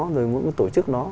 rồi mỗi cái tổ chức đó